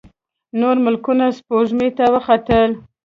نور ملکونه سپوږمۍ ته وختل.